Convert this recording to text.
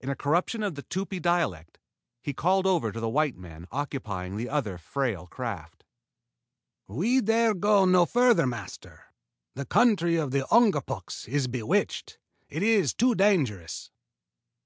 In a corruption of the Tupi dialect, he called over to the white man occupying the other frail craft. "We dare go no farther, master. The country of the Ungapuks is bewitched. It is too dangerous."